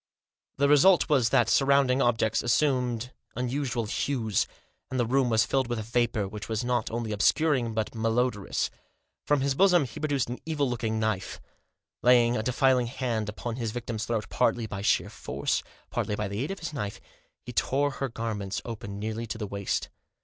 The result was that surrounding objects assumed unusual hues, and the room was filled with a vapour, which was not only obscuring, but malodorous. From his bosom he produced an evil looking knife. Laying a defiling hand upon his victim's throat, partly by sheer force, partly by the aid of his knife, he tore her garments open nearly to the waist.